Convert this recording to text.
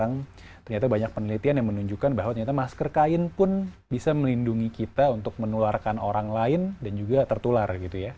namun sekarang ternyata banyak penelitian yang menunjukkan bahwa masker kain pun bisa melindungi kita untuk menularkan orang lain dan juga tertular